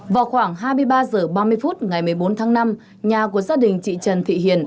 vào khoảng hai mươi ba h ba mươi phút ngày một mươi bốn tháng năm nhà của gia đình chị trần thị hiền